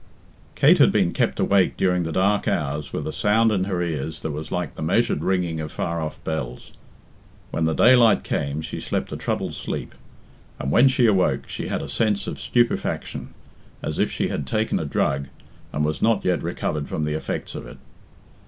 Kate had been kept awake during the dark hours with a sound in her ears that was like the measured ringing of far off bells. When the daylight came she slept a troubled sleep, and when she awoke she had a sense of stupefaction, as if she had taken a drug, and was not yet recovered from the effects of it.